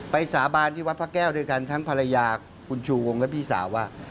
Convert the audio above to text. สาบานที่วัดพระแก้วด้วยกันทั้งภรรยาคุณชูวงและพี่สาวว่า